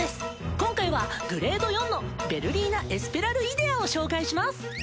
今回はグレード４のヴェルリーナ・エスペラルイデアを紹介します。